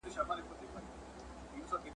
د زمري به سوې په خوله کي وچي ناړي `